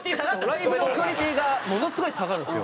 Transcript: ライブのクオリティーがものすごい下がるんですよ。